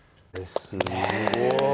すごい！